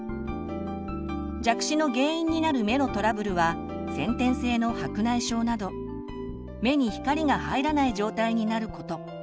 弱視の原因になる目のトラブルは先天性の白内障など目に光が入らない状態になること。